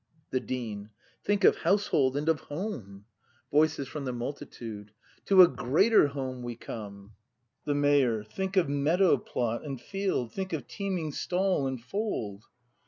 The Dean. Think of household and of home! ACT vl BRAND Voices from the Multitude. To a greater Home we come! The Mayor. Think of meadow plot and field; Think of teeming stall and fold!